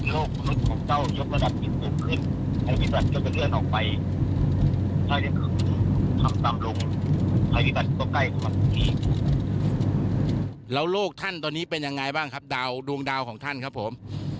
แล้วโลกท่านตอนนี้เป็นยังไงบ้างครับดาวดวงดาวของท่านครับผม